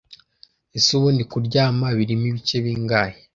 Ese ubundi kuryama birimo ibice bingahe